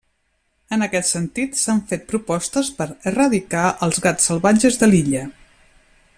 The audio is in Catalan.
En aquest sentit s'han fet propostes per erradicar els gats salvatges de l'illa.